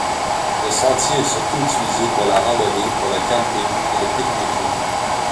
Le sentier est surtout utilisé pour la randonnée, pour le camping et le picnicking.